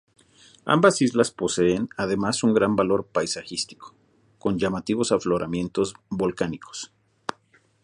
Ambas islas poseen además un gran valor paisajístico, con llamativos afloramientos volcánicos.